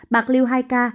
bạc liêu hai ca